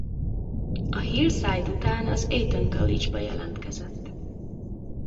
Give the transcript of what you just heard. A Hillside után az Eton College-ba jelentkezett.